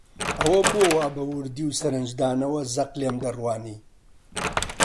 ئەوە بۆ وا بە وردی و سەرنجدانەوە زەق لێم دەڕوانی؟